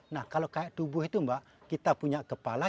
nah kalau kayak tubuh itu mbak kita punya kepala